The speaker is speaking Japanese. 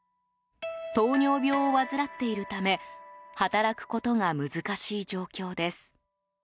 糖尿病を患っているため働くことが難しい状況です。